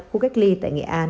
khu cách ly tại nghệ an